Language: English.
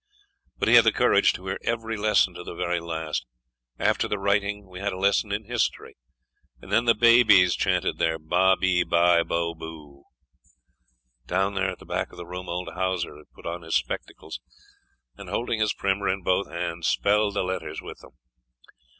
But he had the courage to hear every lesson to the very last. After the writing, we had a lesson in history, and then the babies chanted their ba, be, bi, bo, bu. Down there at the back of the room old Hauser had put on his spectacles and, holding his primer in both hands, spelled the letters with them.